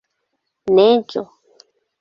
neĝo